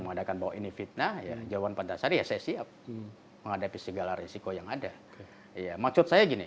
mengadakan bahwa ini fitnah jawaban pada saya saya siap menghadapi segala risiko yang ada ya maksud saya